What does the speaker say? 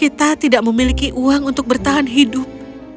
kita tidak memiliki uang untuk bertahan hidup